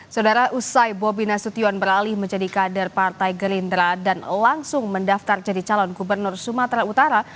saudara usai bobi nasution beralih menjadi kader partai gerindra dan langsung mendaftar jadi calon gubernur sumatera utara